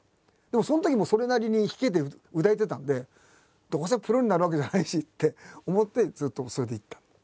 でもそのときもうそれなりに弾けて歌えてたんでどうせプロになるわけじゃないしって思ってずっとそれでいった。